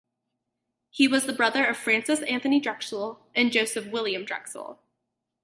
He was the brother of Francis Anthony Drexel, and Joseph William Drexel.